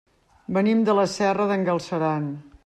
Venim de la Serra d'en Galceran.